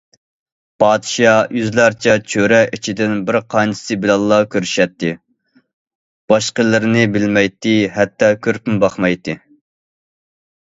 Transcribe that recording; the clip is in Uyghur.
پادىشاھ يۈزلەرچە چۆرە ئىچىدىن بىر قانچىسى بىلەنلا كۆرۈشەتتى، باشقىلىرىنى بىلمەيتتى ھەتتا كۆرۈپمۇ باقمايتتى.